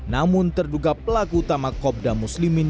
namun terduga pelaku utama kobda muslimin